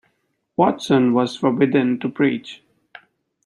Watson was forbidden to preach.